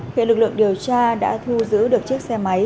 hiện lực lượng điều tra đã thu giữ được chiếc xe máy